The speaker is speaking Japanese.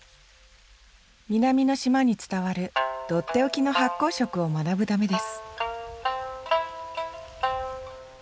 南の島に伝わるとっておきの発酵食を学ぶためです